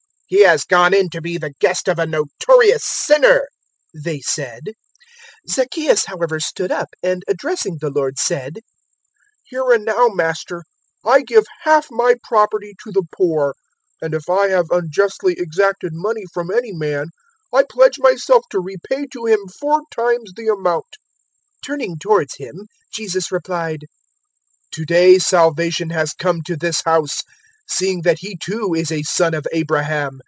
"He has gone in to be the guest of a notorious sinner!" they said. 019:008 Zacchaeus however stood up, and addressing the Lord said, "Here and now, Master, I give half my property to the poor, and if I have unjustly exacted money from any man, I pledge myself to repay to him four times the amount." 019:009 Turning towards him, Jesus replied, "To day salvation has come to this house, seeing that he too is a son of Abraham.